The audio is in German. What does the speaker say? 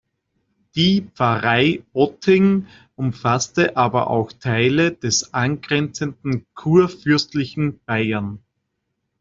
Die Pfarrei Otting umfasste aber auch Teile des angrenzenden kurfürstlichen Bayern.